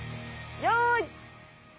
よい。